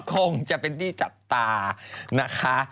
คงจะเป็นที่จับตานะคะ